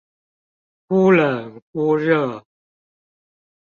忽冷忽熱